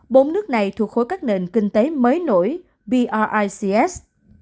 bốn nước này thuộc khối các nền kinh tế mới nổi bics